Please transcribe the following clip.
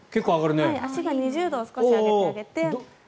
足を２０度より少し上げてあげて。